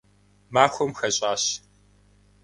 Махуэм хэщӏащ.